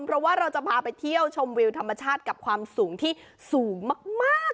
เพราะว่าเราจะพาไปเที่ยวชมวิวธรรมชาติกับความสูงที่สูงมาก